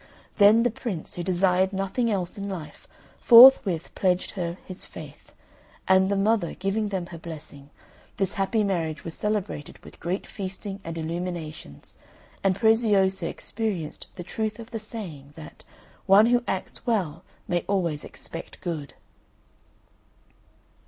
Then the Prince, who desired nothing else in life, forthwith pledged her his faith; and the mother giving them her blessing, this happy marriage was celebrated with great feasting and illuminations, and Preziosa experienced the truth of the saying that "One who acts well may always expect good."